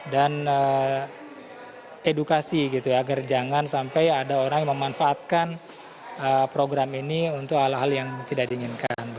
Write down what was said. dan edukasi agar jangan sampai ada orang yang memanfaatkan program ini untuk hal hal yang tidak diinginkan